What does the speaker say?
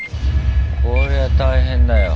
こりゃ大変だよ。